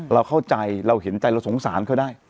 เราเข้าใจเราเห็นใจเราสงสารเขาได้